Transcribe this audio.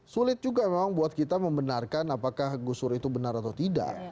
sulit juga memang buat kita membenarkan apakah gusur itu benar atau tidak